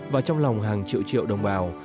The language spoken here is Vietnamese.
và trong lòng hàng triệu triệu đồng bào